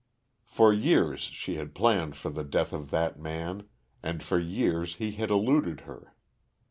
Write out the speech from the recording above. For years she had planned for the death of that man and for years he had eluded her.